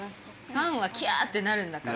ファンは「キャー！」ってなるんだから。